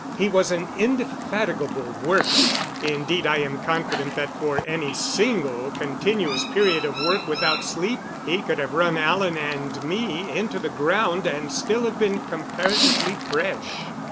He was an indefatigable worker; indeed, I am confident that, for any single continuous period of work without sleep, he could have run Alan and me into the ground and still have been comparatively fresh.